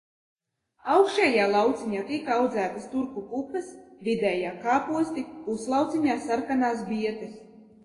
Augšējā lauciņā tika audzētas turku pupas, vidējā kāposti, puslauciņā sarkanās bietes.